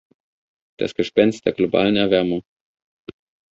Das Gespenst der globalen Erwärmung.